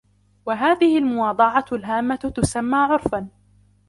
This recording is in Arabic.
وَهَذِهِ الْمُوَاضَعَةُ الْعَامَّةُ تُسَمَّى عُرْفًا